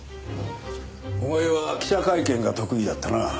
お前は記者会見が得意だったな。